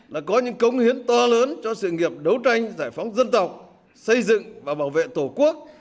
là có những công hiến to lớn cho sự nghiệp đấu tranh giải phóng dân tộc xây dựng và bảo vệ tổ quốc